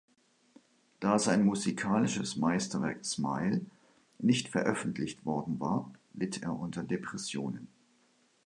Da sein musikalisches Meisterwerk "Smile" nicht veröffentlicht worden war, litt er unter Depressionen.